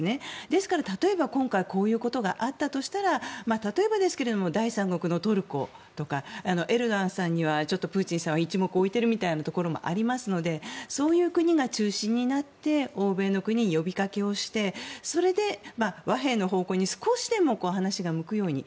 ですから、例えば今回こういうことがあったとしたら例えばですけれども第三国のトルコですとかエルドアンさんにはプーチンさんは一目置いているところもありますのでそういう国が中心になって欧米の国に呼びかけをしてそれで和平の方向に少しでも話が向くように。